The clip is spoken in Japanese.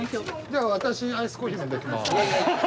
じゃあ私アイスコーヒー飲んできます。